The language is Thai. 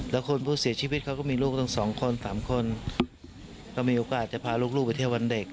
แล้วคนผู้เสียชีวิตเขาก็มีลูกต้องสองคนสามคนก็มีโอกาสจะพาลูกไปเที่ยววันเด็ก